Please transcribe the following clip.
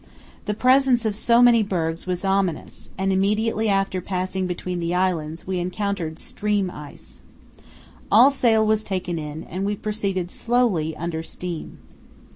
The presence of so many bergs was ominous, and immediately after passing between the islands we encountered stream ice. All sail was taken in and we proceeded slowly under steam.